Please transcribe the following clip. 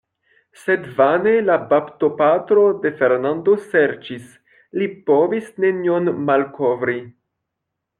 Sed vane la baptopatro de Fernando serĉis; li povis nenion malkovri.